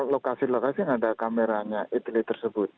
lokasi lokasi yang ada kameranya etelit tersebut